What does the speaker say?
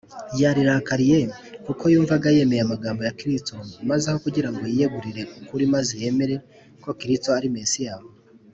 yarirakariye kuko yumvaga yemeye amagambo ya kristo, maze aho kugira ngo yiyegurire ukuri maze yemere ko kristo ari mesiya,